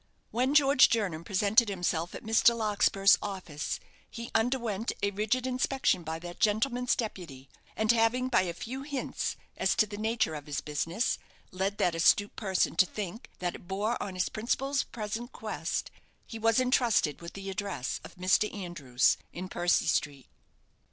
When George Jernam presented himself at Mr. Larkspur's office he underwent a rigid inspection by that gentleman's "deputy," and having, by a few hints as to the nature of his business, led that astute person to think that it bore on his principal's present quest, he was entrusted with the address of Mr. Andrews, in Percy Street.